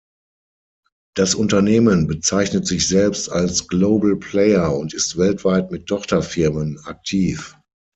Das Unternehmen bezeichnet sich selbst als „Global Player“ und ist weltweit mit Tochterfirmen aktiv.